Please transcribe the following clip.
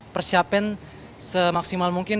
persiapkan semaksimal mungkin